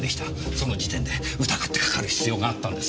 その時点で疑ってかかる必要があったんです。